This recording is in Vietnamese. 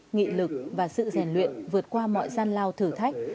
nghị lực và sự rèn luyện vượt qua mọi gian lao thử thách